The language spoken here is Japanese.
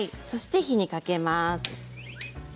そして火にかけます。